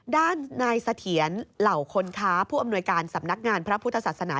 ด้านนายเสถียรเหล่าคนค้าผู้อำนวยการสำนักงานพระพุทธศาสนา